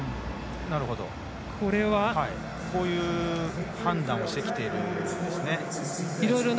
こういう判断をしてきているんですね。